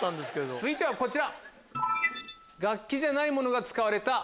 続いてはこちら。